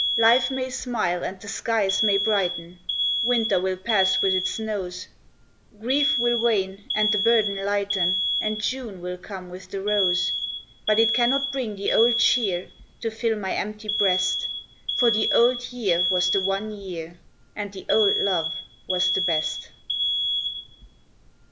Life may smile and the skies may brighten, Winter will pass with its snows; Grief will wane and the burden lighten And June will come with the rose. But it cannot bring the old cheer To fill my empty breast; For the old year was the one year, And the old love was best.